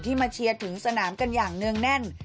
มาเชียร์ถึงสนามกันอย่างเนื่องแน่น